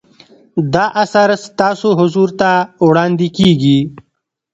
دا اثر ستاسو حضور ته وړاندې کیږي.